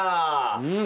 うん！